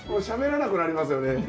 しゃべらなくなりますよね。